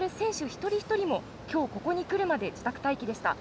一人一人も今日、ここに来るまで自宅待機でした。